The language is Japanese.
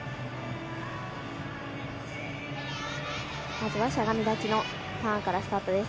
まずはしゃがみ立ちのターンからスタートです。